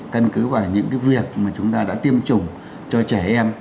cân cứ vào những cái việc mà chúng ta đã tiêm chủng cho trẻ em